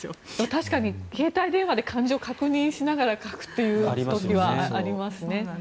確かに携帯電話で漢字を確認しながら書くという時はありますね。